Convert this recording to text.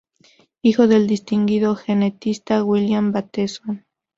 Hijo del distinguido genetista William Bateson.